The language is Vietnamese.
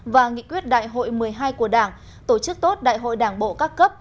và nghị quyết đại hội một mươi hai của đảng tổ chức tốt đại hội đảng bộ các cấp